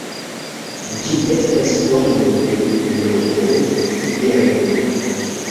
Ĝi estas formo de nomo Jeremia.